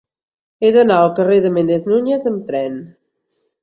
He d'anar al carrer de Méndez Núñez amb tren.